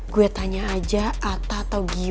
gue tanya aja ata atau gio